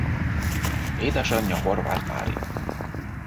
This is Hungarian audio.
Édesanyja Horváth Mária.